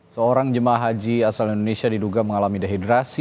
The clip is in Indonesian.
seorang jemaah haji asal indonesia diduga mengalami dehidrasi